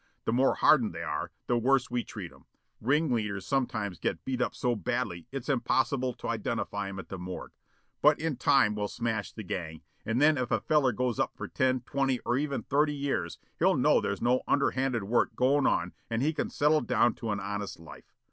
The more hardened they are, the worse we treat 'em. Ring leaders some times get beat up so badly it's impossible to identify 'em at the morgue. But in time we'll smash the gang, and then if a feller goes up for ten, twenty or even thirty years he'll know there's no underhanded work goin' on and he can settle down to an honest life.